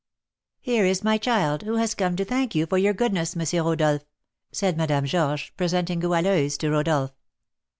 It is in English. "Here is my child, who has come to thank you for your goodness, M. Rodolph," said Madame Georges, presenting Goualeuse to Rodolph.